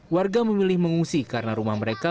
warga memilih mengungsi karena rumah mereka